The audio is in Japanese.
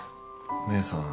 姉さん。